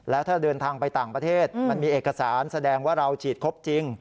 แล้วถ้าเดินทางไปต่างประเทศมันมีเอกสารแสดงว่าเราฉีดครบจริง